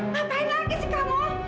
ngapain lagi sih kamu